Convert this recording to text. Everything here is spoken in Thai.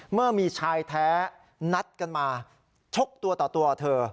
เมื่อมีชายแท้นัดกันมาชกตัวต่อตัวเธอ